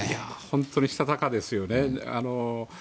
本当にしたたかですよね。